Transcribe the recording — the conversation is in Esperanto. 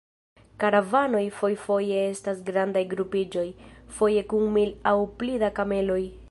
Karavanoj fojfoje estas grandaj grupiĝoj, foje kun mil aŭ pli da kameloj.